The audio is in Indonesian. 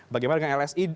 bagaimana dengan lsi